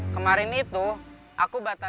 kemarin itu aku batal